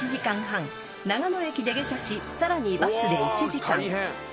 ［長野駅で下車しさらにバスで１時間］